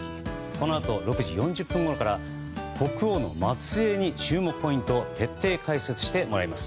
このあと６時４０分ごろから国王の末裔に注目ポイントを徹底解説してもらいます。